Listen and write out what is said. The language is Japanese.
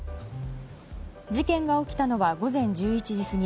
事件が起きたのは午前１１時過ぎ。